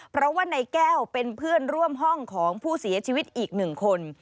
เพราะว่านายแก้วเป็นเพื่อนร่วมห้องของผู้เสียชีวิตอีกหนึ่งคน